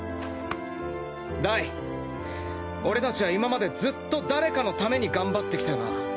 ダイ俺たちは今までずっと誰かのために頑張ってきたよな？